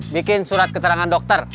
bikin surat keterangan dokter